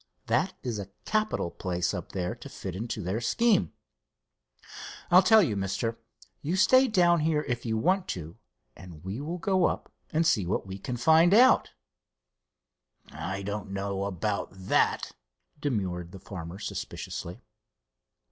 That is a capital place up there to fit into their scheme. I'll tell you, mister, you stay down here if you want to, and we will go up and see what we can find out." "I don't know about that," demurred the farmer, suspiciously.